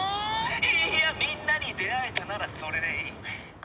「いいやみんなに出会えたならそれでいい」